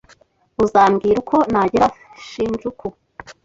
Uzambwira uko nagera Shinjuku?